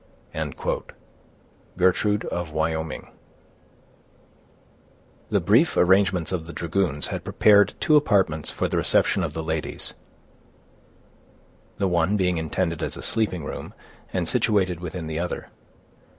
—Gertrude of Wyoming. The brief arrangements of the dragoons had prepared two apartments for the reception of the ladies, the one being intended as a sleeping room, and situated within the other.